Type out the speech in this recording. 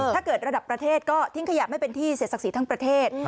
ระดับประเทศก็ทิ้งขยะไม่เป็นที่เสียศักดิ์ศรีทั้งประเทศ